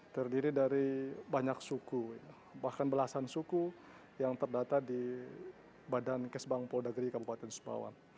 terdiri dari banyak suku bahkan belasan suku yang terdata di badan kesbang polda ri kabupaten sumbawan